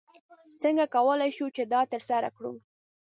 څنګه کولی شو چې دا ترسره کړو؟